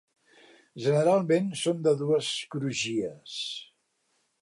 Generalment són de dues crugies.